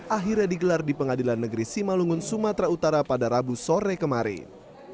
akhirnya digelar di pengadilan negeri simalungun sumatera utara pada rabu sore kemarin